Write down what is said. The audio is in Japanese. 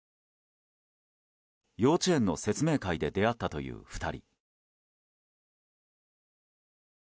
幼稚園の説明会で出会ったという２人。